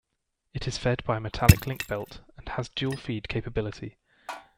It is fed by a metallic link belt and has dual-feed capability.